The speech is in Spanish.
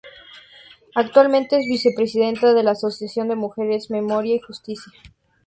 Actualmente es vicepresidenta de la Asociación Mujeres, Memoria y Justicia.